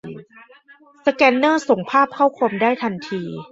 สแกนเนอร์ส่งภาพเข้าคอมได้ทันที